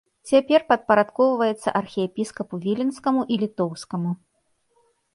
Цяпер падпарадкоўваецца архіепіскапу віленскаму і літоўскаму.